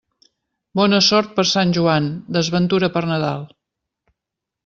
Bona sort per Sant Joan, desventura per Nadal.